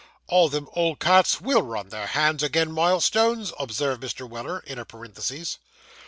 'All them old cats _will _run their heads agin milestones,' observed Mr. Weller, in a parenthesis.